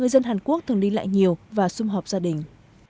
dân hàn quốc thường đi lại nhiều và xung họp gia đình